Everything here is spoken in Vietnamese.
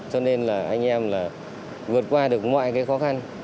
cho nên là anh em là vượt qua được mọi cái khó khăn